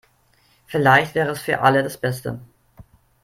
Vielleicht wäre es für alle das Beste.